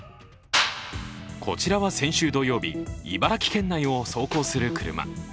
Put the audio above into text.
こちらは先週土曜日茨城県内を走行する車。